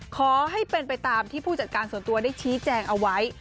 ขอให้เป็นไปตามที่ผู้จัดการส่วนตัวได้ชี้แจงเอาไว้